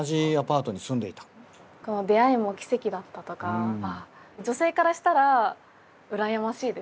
この出会いも奇跡だったとか女性からしたら羨ましいですね